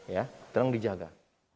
ya tolong dijaga